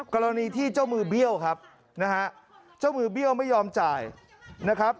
กรณีที่เจ้ามือเบี้ยวครับนะฮะเจ้ามือเบี้ยวไม่ยอมจ่ายนะครับ